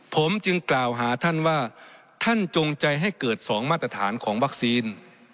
ผมจึงกล่าวหาท่านว่าท่านจงใจให้เกิด๒มาตรฐานของวัคซีน